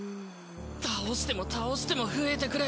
倒しても倒しても増えてくる。